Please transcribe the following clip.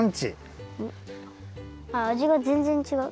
あじがぜんぜんちがう。